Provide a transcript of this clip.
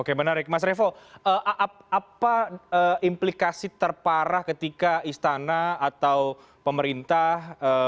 oke menarik mas revo apa implikasi terparah ketika istana atau pemerintah